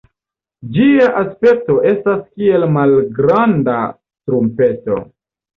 Ĝia aspekto estas kiel malgranda trumpeto.